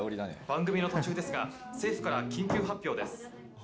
番組の途中ですが政府から緊急発表です。